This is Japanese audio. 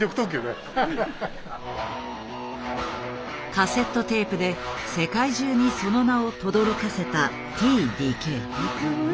カセットテープで世界中にその名をとどろかせたＴ・ＤＫ。